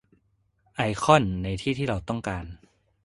ไอคอนในที่ที่เราต้องการ